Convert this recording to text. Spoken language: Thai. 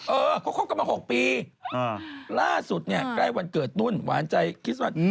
เออเขาคบกันมา๖ปีล่าสุดเนี่ยใกล้วันเกิดนุ่นหวานใจคิดว่า